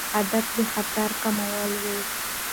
هدف د خطر کمول وو.